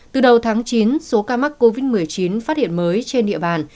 từ đầu tháng chín số ca mắc covid một mươi chín phát hiện mới trên địa bàn